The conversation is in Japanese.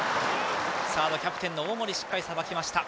サード、キャプテンの大森しっかりさばきました。